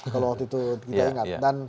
kalau waktu itu kita ingat